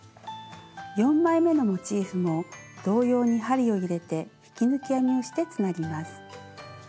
４枚めのモチーフも同様に針を入れて引き抜き編みをしてつなぎます。